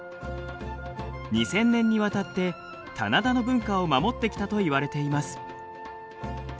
２，０００年にわたって棚田の文化を守ってきたといわれています。